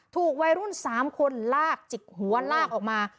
ถูกวัยรุ่น๓คนลากจิกหัวลากออกมา